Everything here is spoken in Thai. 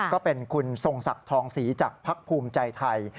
ก็เป็นคุณทรงศักดิ์ทองศรีจากภักดิ์ภูมิใจไทย